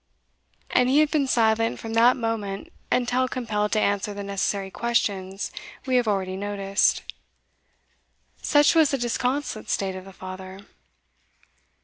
And he had been silent from that moment until compelled to answer the necessary questions we have already noticed. Such was the disconsolate state of the father.